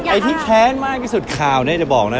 ไอ้ที่แค้นมากที่สุดข่าวนี้จะบอกนะ